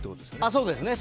そうですね。